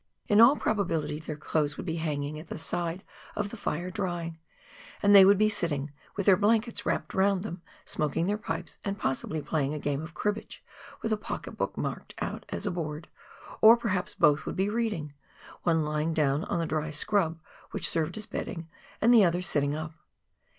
In all probability their clothes would be hanging at tLe side of the fire drying, and they would be sitting, with their blankets wrapped round them, smoking their pipes, and possibly playing a game of cribbage with a pocket book marked out as a board ; or perhaps both would be reading — one lying down on the dry scrub, which served as bedding, and the other sitting up.